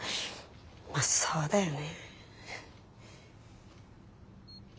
まあそうだよね。